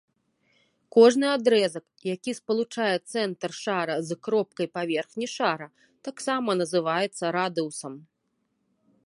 Кожны адрэзак, які спалучае цэнтр шара з кропкай паверхні шара, таксама называецца радыусам.